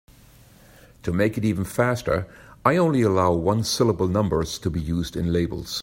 To make it even faster, I only allow one-syllable numbers to be used in labels.